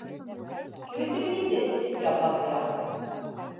Керетегеҙ инде, - тип ялбарҙы Яҡуп.